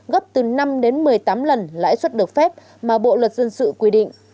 gấp từ năm đến một mươi tám lần lãi suất được phép mà bộ luật dân sự quy định